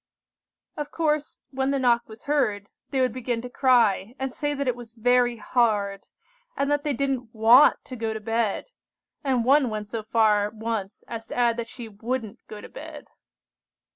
"Of course, when the knock was heard, they would begin to cry, and say that it was very hard, and that they didn't want to go to bed, and one went so far once as to add that she wouldn't go to bed.